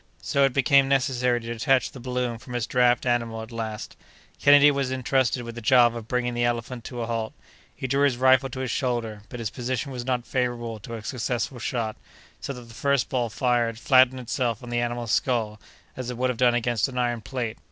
So it became necessary to detach the balloon from its draught animal at last. Kennedy was intrusted with the job of bringing the elephant to a halt. He drew his rifle to his shoulder, but his position was not favorable to a successful shot; so that the first ball fired flattened itself on the animal's skull, as it would have done against an iron plate.